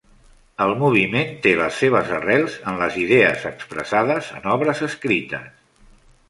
El moviment té les seves arrels en les idees expressades en obres escrites.